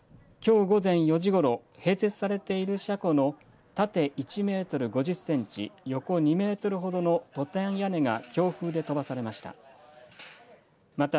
きょう午前４時ごろ、併設されている車庫の縦１メートル５０センチ、横２メートルほどのトタン屋根が強風で飛ばされました。